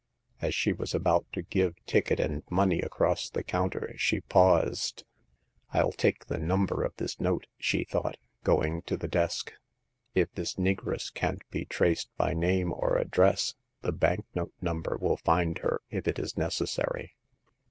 As she was about to give ticket and money across the counter she paused. FU take the number of this note," she thought, going to the desk ;if this negress can't be traced by name or address, the bank note number will find her if it is necessary."